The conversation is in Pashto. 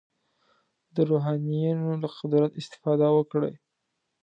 د روحانیونو له قدرت استفاده وکړي.